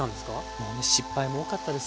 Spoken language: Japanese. もうね失敗も多かったですよ。